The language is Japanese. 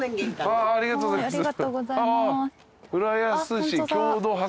ありがとうございます。